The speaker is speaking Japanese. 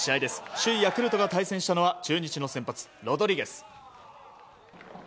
首位ヤクルトが対戦したのは中日の先発、ロドリゲス。